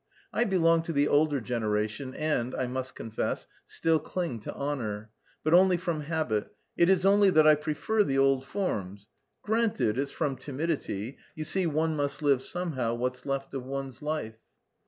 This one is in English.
I belong to the older generation and, I must confess, still cling to honour, but only from habit. It is only that I prefer the old forms, granted it's from timidity; you see one must live somehow what's left of one's life."